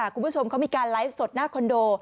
คุณผู้ชมเขามีการไลฟ์สดหน้าคอนโด